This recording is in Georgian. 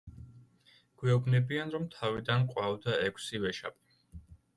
გვეუბნებიან, რომ თავიდან გვყავდა ექვსი ვეშაპი.